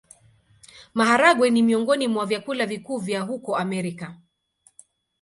Maharagwe ni miongoni mwa vyakula vikuu vya huko Amerika.